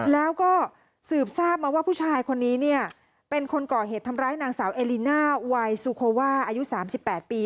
แล้วก็สืบทราบมาว่าผู้ชายคนนี้เนี่ยเป็นคนก่อเหตุทำร้ายนางสาวเอลิน่าวายซูโคว่าอายุ๓๘ปี